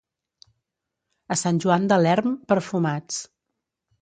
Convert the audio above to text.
A Sant Joan de l'Erm, perfumats.